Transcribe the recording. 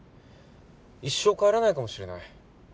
一生帰らないかもしれない。